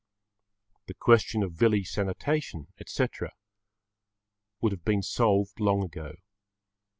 The question of village sanitation, etc., would have been solved long ago.